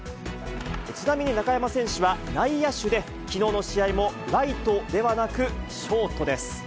ちなみに中山選手は内野手で、きのうの試合もライトではなく、ショートです。